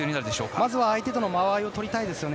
まずは、相手との間合いを取りたいですね。